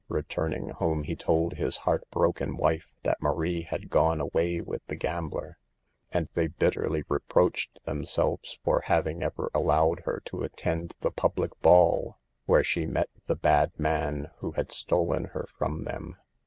Returning home he told his heart broken wife that Marie had gone away with the gambler, and they bitterly reproached themselves for having ever allowed her to attend the public ball, where she met the bad man who had stolen her from them.